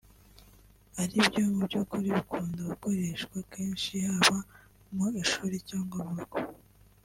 aribyo mu by’ukuri bikunda gukoreshwa kenshi haba mu shuri cyangwa mu rugo